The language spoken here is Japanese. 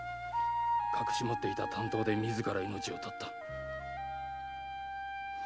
隠し持っていた短刀で自ら命を絶った。